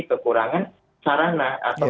kekurangan sarana atau